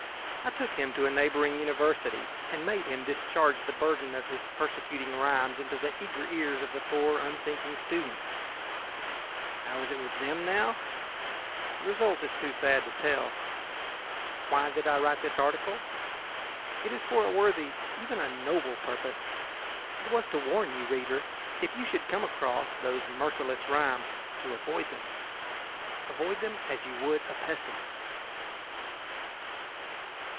I took him to a neighboring university and made him discharge the burden of his persecuting rhymes into the eager ears of the poor, unthinking students. How is it with them, now? The result is too sad to tell. Why did I write this article? It was for a worthy, even a noble, purpose. It was to warn you, reader, if you should came across those merciless rhymes, to avoid them avoid them as you would a pestilence!